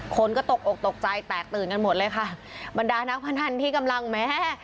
คนก็ตกอกตกใจแตกตื่นกันหมดเลยค่ะบรรดานักพนันที่กำลังแม้